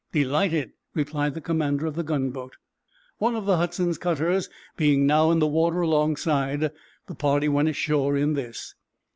"Delighted," replied the commander of the gunboat. One of the "Hudson's" cutters being now in the water alongside, the party went ashore in this.